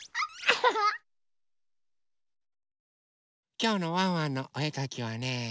きょうの「ワンワンのおえかき」はね